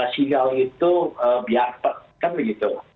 sinyal itu biar tetap begitu